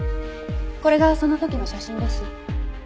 これがその時の写真です。